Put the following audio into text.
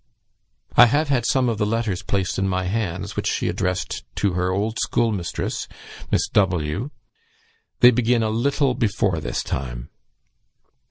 I have had some of the letters placed in my hands, which she addressed to her old schoolmistress, Miss W . They begin a little before this time.